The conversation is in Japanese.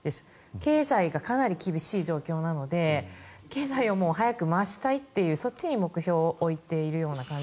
経済がかなり厳しい状況なので経済を早く回したいというそっちに目標を置いているような感じが。